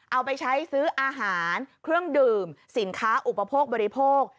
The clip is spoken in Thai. เอาไปใช้ซื้ออาหารเครื่องดื่มสินค้าอุปโภคบริโภค